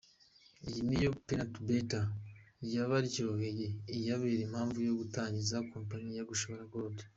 Iyi niyo 'Peanut butter' yabaryoheye, ibabera n'impamvu yo gutangiza kompanyi ya'Gashora Gold'.